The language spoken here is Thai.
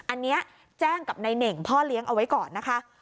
อันนี้แจ้งกับนายเหน่งพ่อเลี้ยงเอาไว้ก่อนนะคะ